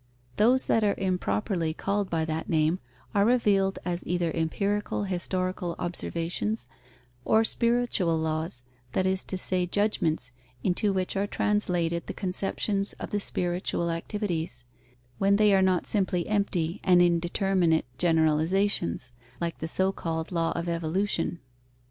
Those that are improperly called by that name are revealed as either empirical historical observations, or spiritual laws, that is to say judgments, into which are translated the conceptions of the spiritual activities; when they are not simply empty and indeterminate generalizations, like the so called law of evolution.